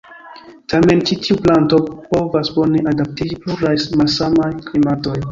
Tamen ĉi tiu planto povas bone adaptiĝi al pluraj malsamaj klimatoj.